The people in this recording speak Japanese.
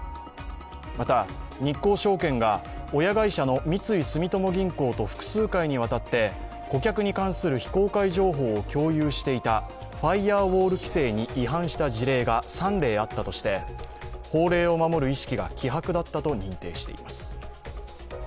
また、日興証券が親会社の三井住友銀行と複数回にわたって顧客に関する非公開情報を共有していたファイヤーウォール規制に違反した事例が３例あったとして法令を守る意識が希薄だったと認定しています。